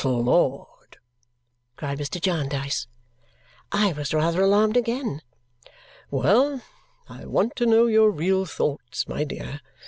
"Floored!" cried Mr. Jarndyce. I was rather alarmed again. "Well! I want to know your real thoughts, my dear.